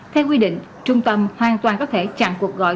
theo quy định trung tâm hoàn toàn có thể chặn cuộc gọi